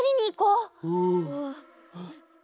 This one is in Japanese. うん。